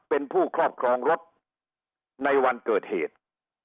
เป็นผู้ครอบครองรถในวันเกิดเหตุ